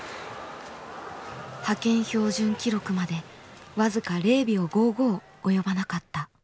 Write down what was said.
派遣標準記録まで僅か「０秒５５」及ばなかった。